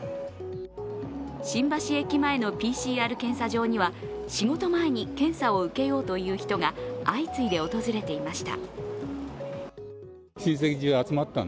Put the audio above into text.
新橋駅前のＰＣＲ検査場には、仕事前に検査を受けようという人たちが相次いで訪れていました。